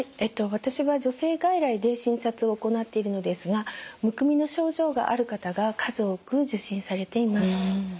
私は女性外来で診察を行っているのですがむくみの症状がある方が数多く受診されています。